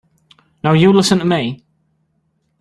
Now you listen to me.